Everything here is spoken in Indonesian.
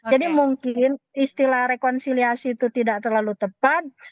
jadi mungkin istilah rekonsiliasi itu tidak terlalu tepat